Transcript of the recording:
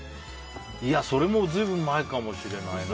それもずいぶん前かもしれないな。